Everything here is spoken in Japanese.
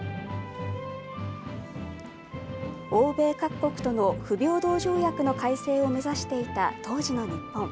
欧米各国との不平等条約の改正を目指していた当時の日本。